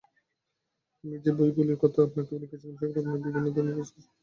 আমি যে বইগুলির কথা আপনাকে লিখেছিলাম, সেগুলি আপনার বিভিন্ন ধর্মের পুস্তক-সম্বলিত গ্রন্থাগারের জন্য।